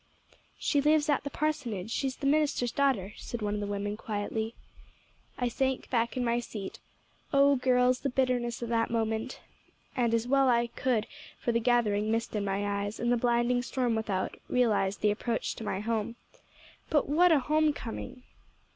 "'She lives at the parsonage she's th' minister's daughter,' said one of the women quietly. "I sank back in my seat oh, girls, the bitterness of that moment! and as well as I could for the gathering mist in my eyes, and the blinding storm without, realized the approach to my home. But what a home coming!